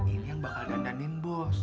ini yang bakal dandanin bus